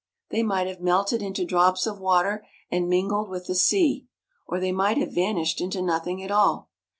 They might have melted into drops of water and mingled with the sea, or they might have vanished into nothing at all.